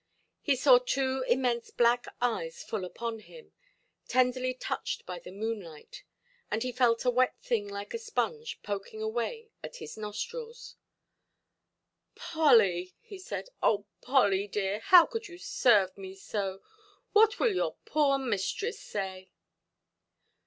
He saw two immense black eyes full upon him, tenderly touched by the moonlight, and he felt a wet thing like a sponge poking away at his nostrils. "Polly", he said, "oh, Polly dear, how could you serve me so? What will your poor mistress say"?